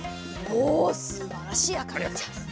おおすばらしいあかにんじゃ。